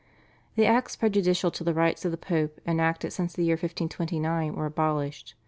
The acts prejudicial to the rights of the Pope enacted since the year 1529 were abolished.